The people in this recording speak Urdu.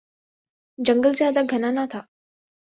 جنگل زیادہ گھنا نہ تھا